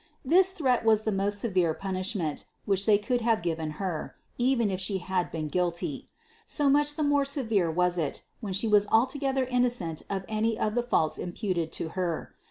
This threat was the most severe punishment, which they could have given Her, even if She had been guilty; so much the more severe was it, when She was altogether innocent of any of the faults imputed to Her.